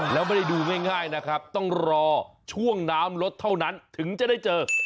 แล้วไม่ได้ดูง่ายนะครับต้องรอช่วงน้ำลดเท่านั้นถึงจะได้เจอ